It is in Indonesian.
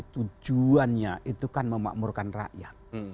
tujuannya itu kan memakmurkan rakyat